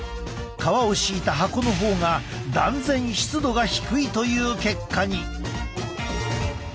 革を敷いた箱の方が断然湿度が低いという結果に。